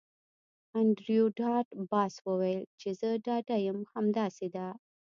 انډریو ډاټ باس وویل چې زه ډاډه یم همداسې ده